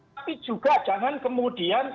tapi juga jangan kemudian